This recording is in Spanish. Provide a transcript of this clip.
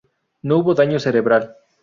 No hubo daño cerebral.